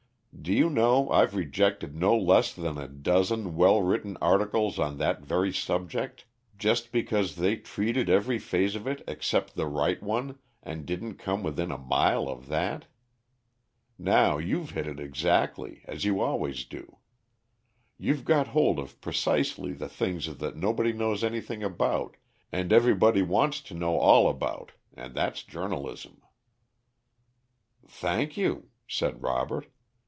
Do you know I've rejected no less than a dozen well written articles on that very subject, just because they treated every phase of it except the right one, and didn't come within a mile of that. Now you've hit it exactly, as you always do. You've got hold of precisely the things that nobody knows anything about and everybody wants to know all about, and that's journalism." "Thank you," said Robert.